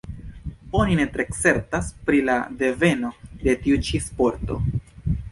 Oni ne tre certas pri la deveno de tiu ĉi sporto.